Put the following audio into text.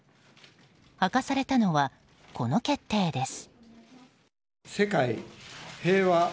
明かされたのは、この決定です。